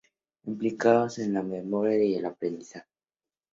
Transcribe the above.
Implicados en la memoria y aprendizaje.